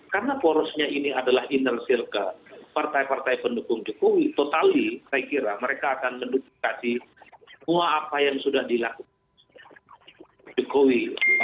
karena porosnya ini adalah inner circle partai partai pendukung jokowi totali saya kira mereka akan mendukung di semua apa yang sudah dilakukan jokowi